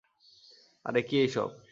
আরে কী এইসব?